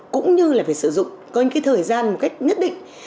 cũng như là phải sử dụng có những cái thời gian một cách nhất định